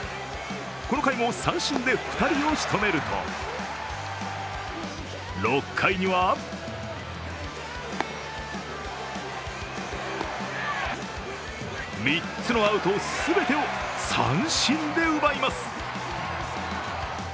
この回も三振で２人を仕留めると６回には３つのアウト全てを三振で奪います。